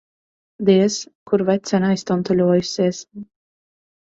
Diez kur vecene aiztuntuļojusies.